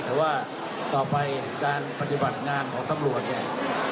แต่ว่าต่อไปการปฏิบัติงานของตำรวจเนี่ย